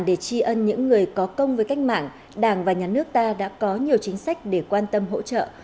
để tri ân những người có công với cách mạng đảng và nhà nước ta đã có nhiều chính sách để quan tâm hỗ trợ